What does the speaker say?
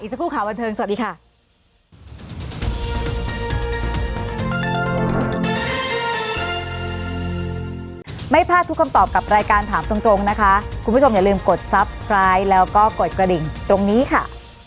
สักครู่ข่าวบันเทิงสวัสดีค่ะ